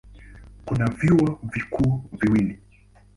Kuna vyuo vikuu viwili.